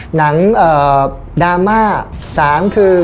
๒หนังดราม่า